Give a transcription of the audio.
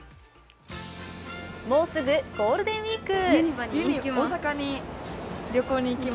もうすぐゴールデンウイーク。